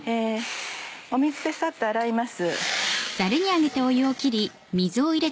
水でサッと洗います。